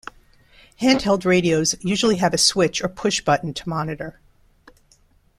Hand-held radios usually have a switch or push-button to monitor.